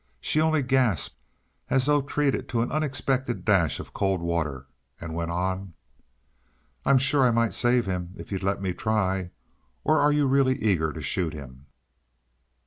She only gasped, as though treated to an unexpected dash of cold water, and went on. "I'm sure I might save him if you'd let me try. Or are you really eager to shoot him?"